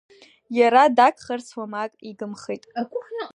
Иара дагхарц уамак игымхеит.